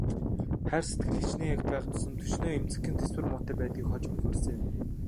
Хайр сэтгэл хэчнээн их байх тусам төчнөөн эмзэгхэн, тэсвэр муутай байдгийг хожим ухаарсан юм.